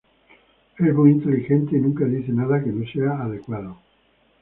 Es muy inteligente y nunca dice nada que no sea adecuado.